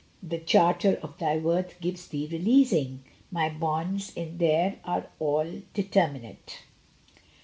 The charter of thy worth gives thee releasing; My bonds in thee are all determinate.